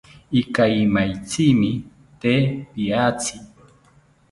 Ikaimaitzimi te piatzi